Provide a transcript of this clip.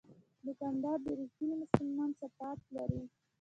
دوکاندار د رښتیني مسلمان صفات لري.